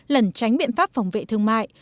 lẩn tránh biện pháp phòng vệ thương mại